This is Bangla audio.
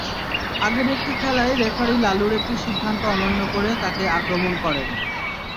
আগের একটি খেলায় রেফারি লালুর একটি সিদ্ধান্ত অমান্য করে তাঁকে আক্রমণ করেন।